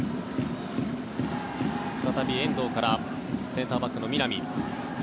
再び遠藤からセンターバックの南。